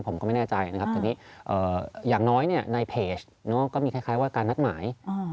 ผมก็ไม่แน่ใจนะครับทีนี้อย่างน้อยในเพจก็มีคล้ายว่าการนัดหมาย